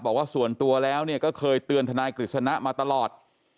บอกว่าส่วนตัวแล้วก็เคยเตือนทนายกฤษณะมาตลอด